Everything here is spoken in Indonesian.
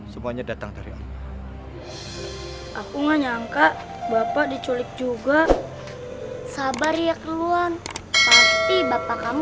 semuanya datang dari aku nggak nyangka bapak diculik juga sabar ya keluan pasti bapak kamu